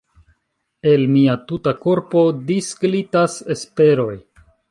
El mia tuta korpo disglitas Esperoj.